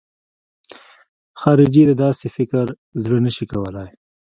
خارجي د داسې فکر زړه نه شي کولای.